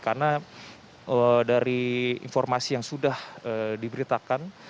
karena dari informasi yang sudah diberitakan